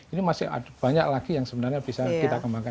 ini masih ada banyak lagi yang sebenarnya bisa kita kembangkan